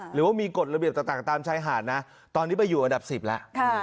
หรือว่ามีกฎระเบียบต่างตามชายหาดนะตอนนี้ไปอยู่อันดับ๑๐แล้ว